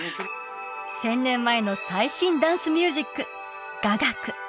１０００年前の最新ダンスミュージック雅楽